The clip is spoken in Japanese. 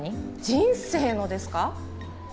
人生のですか？